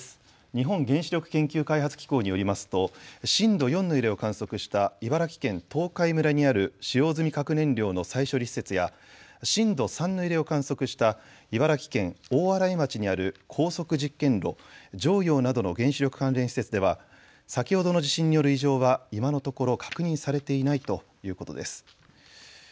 日本原子力研究開発機構によりますと震度４の揺れを観測した茨城県東海村にある使用済み核燃料の再処理施設や震度３の揺れを観測した茨城県大洗町にある高速実験炉、常陽などの原子力関連施設では、先ほどの地震による異常は今のところ確認されていないということです。